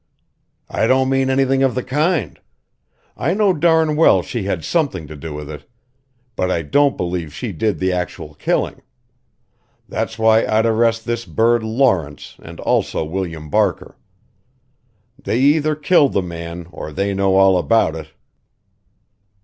"I don't mean anything of the kind. I know darn well she had something to do with it but I don't believe she did the actual killing. That's why I'd arrest this bird Lawrence and also William Barker. They either killed the man or they know all about it."